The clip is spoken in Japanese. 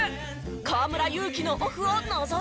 河村勇輝のオフをのぞき見。